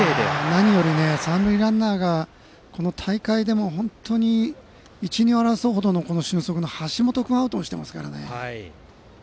何より三塁ランナーがこの大会でも、本当に１、２を争うほどの俊足の橋本君をアウトにしてますからね。